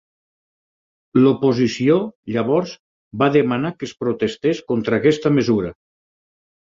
L'oposició, llavors, va demanar que es protestés contra aquesta mesura.